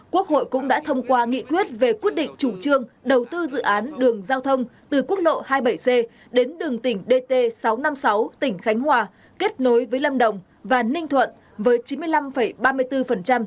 quốc hội cũng đã thông qua nghị quyết về quyết định chủ trương đầu tư dự án đường giao thông từ quốc lộ hai mươi bảy c đến đường tỉnh dt sáu trăm năm mươi sáu tỉnh khánh hòa kết nối với lâm đồng và ninh thuận với chín mươi năm ba mươi bốn